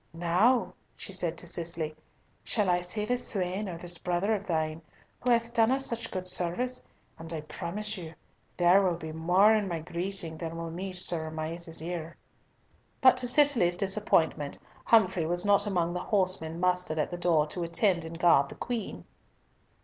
"Now," she said to Cicely, "shall I see this swain, or this brother of thine, who hath done us such good service, and I promise you there will be more in my greeting than will meet Sir Amias's ear." But to Cicely's disappointment Humfrey was not among the horsemen mustered at the door to attend and guard the Queen.